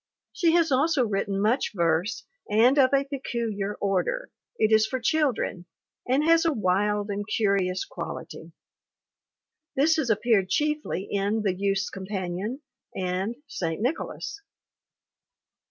She has also written much verse and of a peculiar order. It is for children, and has a wild and curious quality. This has appeared chiefly in the Youth's Companion and St. Nicholas.